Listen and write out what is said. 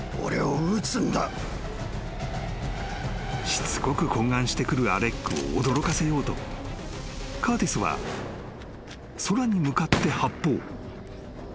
［しつこく懇願してくるアレックを驚かせようとカーティスは空に向かって発砲］